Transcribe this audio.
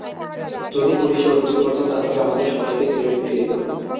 যদি পুলিশে অভিযোগ করতাম তাহলে আমাদের সবাইকে জেলে ঢুকিয়ে দিতো।